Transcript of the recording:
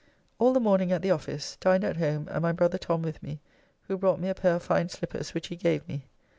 All the morning at the office, dined at home and my brother Tom with me, who brought me a pair of fine slippers which he gave me.